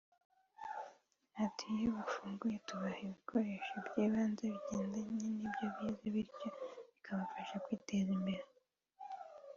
Ati”Iyo bafunguwe tubaha ibikoresho by’ibanze bigendanye n’ibyo bize bityo bikabafasha kwiteza mbere